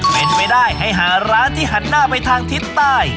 เป็นไปได้ให้หาร้านที่หันหน้าไปทางทิศใต้